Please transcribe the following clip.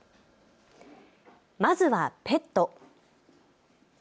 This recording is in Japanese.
まずはペット。